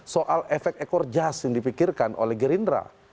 soal efek ekor jas yang dipikirkan oleh gerindra